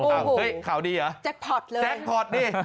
เฮ้ยข่าวดีเหรอแจ็คพอร์ตเลยแจ็คพอร์ตดิ